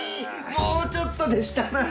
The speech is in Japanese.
もうちょっとでしたな。